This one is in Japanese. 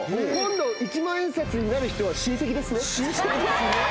今度一万円札になる人は親戚ですね。